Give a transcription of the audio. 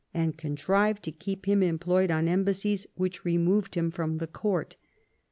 and contrived to keep him employed on embassies which removed him from the Court.